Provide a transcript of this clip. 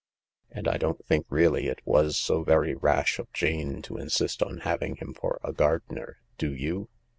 " And I don't think really it was so very rash of Jane to insist on having him for a gardener. Do you